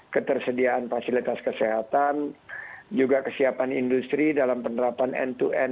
ketersediaan fasilitas kesehatan juga kesiapan industri dalam penerapan end to end